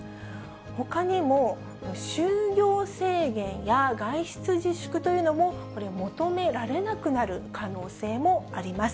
ほかにも、就業制限や外出自粛というのも、求められなくなる可能性もあります。